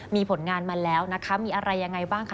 มีผลงานมาแล้วนะคะมีอะไรยังไงบ้างคะ